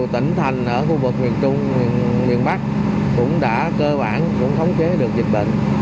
tỉnh thành ở khu vực miền trung miền bắc cũng đã cơ bản cũng thống chế được dịch bệnh